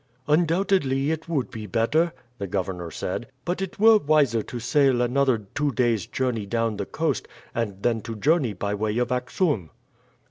"Undoubtedly it would be better," the governor said; "but it were wiser to sail another two days' journey down the coast and then to journey by way of Axoum."